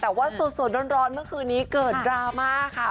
เรียกว่าสุดสนร้อนเมื่อคืนนี้เกิดรามาช์ค่ะ